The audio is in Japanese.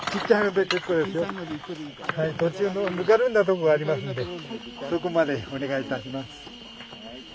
途中のぬかるんだとこがありますんでそこまでお願いいたします。